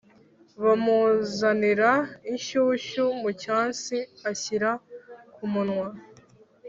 bamuzanira inshyushyu mucyansi ashyira kumunwa